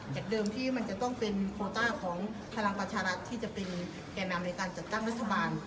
เดิมที่มันจะต้องเป็นโคต้าของพลังประชารัฐที่จะเป็นแก่นำในการจัดตั้งรัฐบาล